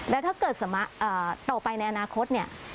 แล้วถ้าเกิดต่อไปในอนาคต